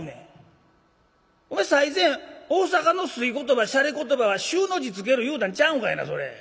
「お前最前大阪の粋言葉・しゃれ言葉は『衆』の字つける言うたんちゃうんかいなそれ。